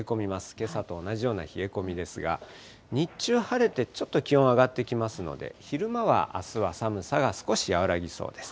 けさと同じような冷え込みですが、日中晴れて、ちょっと気温上がってきますので、昼間はあすは寒さが少し和らぎそうです。